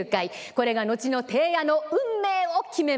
これが後の貞弥の運命を決めました。